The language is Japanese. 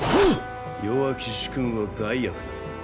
弱き主君は害悪なり。